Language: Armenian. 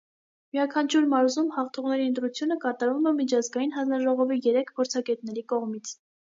Յուրաքանչյուր մարզում հաղթողների ընտրությունը կատարվում է միջազգային հանձնաժողովի երեք փորձագետների կողմից։